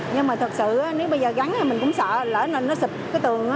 nhưng mà thật sự nếu bây giờ gắn thì mình cũng sợ lỡ nó xịt cái tường